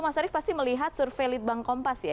mas arief pasti melihat survei litbang kompas ya